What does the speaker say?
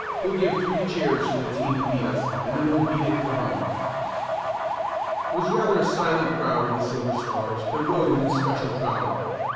We'll give three cheers for the team that beat us and then we'll beat it for home." It was rather a silent crowd of the Silver Stars that rode in the special trolley.